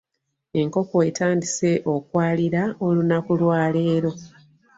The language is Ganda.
Enkoko etandise okwalila olunaku lwa leero.